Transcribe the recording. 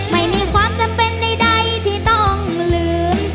ไม่มีความจำเป็นใดที่ต้องลืม